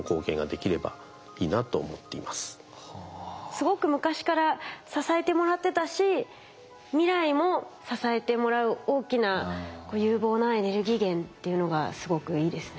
すごく昔から支えてもらってたし未来も支えてもらう大きな有望なエネルギー源っていうのがすごくいいですね。